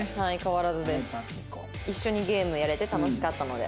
「一緒にゲームやれて楽しかったので」